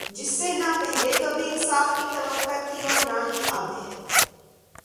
جس سے نا پہلے کبھی انصاف کی توقع تھی اور نا ہی اب ہے